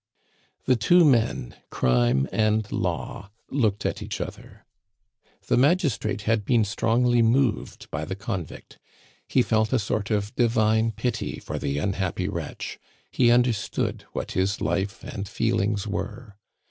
The two men, Crime and Law, looked at each other. The magistrate had been strongly moved by the convict; he felt a sort of divine pity for the unhappy wretch; he understood what his life and feelings were.